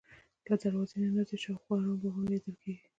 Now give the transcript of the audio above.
له دروازې ننوځې شاوخوا ارام باغونه لیدل کېږي.